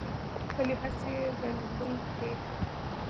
خپلې هڅې ګړندۍ کړي.